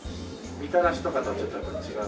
みたらしとかとはちょっとやっぱり違う？